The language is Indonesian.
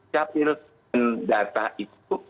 capil data itu